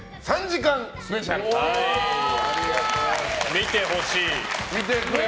見てほしい。